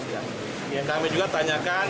yang kami juga tanyakan